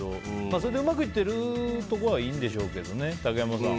それでうまくいってるところはいいんでしょうけどね。